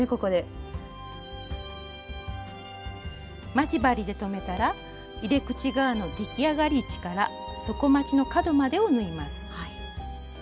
待ち針で留めたら入れ口側の出来上がり位置から底まちの角までを縫います。